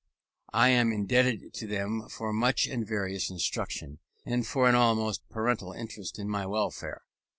I am indebted to them for much and various instruction, and for an almost parental interest in my welfare.